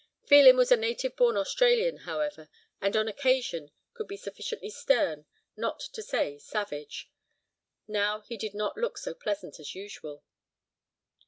Phelim was a native born Australian, however, and on occasion could be sufficiently stern, not to say savage. Now he did not look so pleasant as usual.